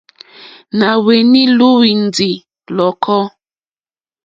Nà hwenì lùwindi lɔ̀kɔ.